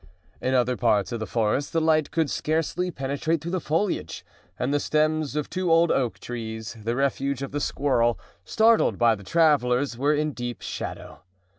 In other parts of the forest the light could scarcely penetrate through the foliage, and the stems of two old oak trees, the refuge of the squirrel, startled by the travelers, were in deep shadow.